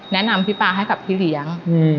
แนะนำพี่ป๊าให้กับพี่เลี้ยง